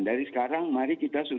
dari sekarang mari kita